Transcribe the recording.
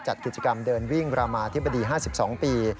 จัดกิจกรรมเดินวิ่งรามาธิบดี๕๒ปี